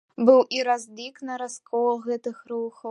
Быў і разлік на раскол гэтых рухаў.